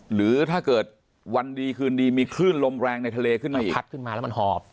หรือถ้าเกิดวันดีคืนดีมีคลื่นลมแรงในทะเลขึ้นมาอีกพัดขึ้นมาแล้วมันหอบ